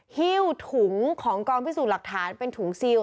หิ้วถุงของกองพิสูจน์หลักฐานเป็นถุงซิล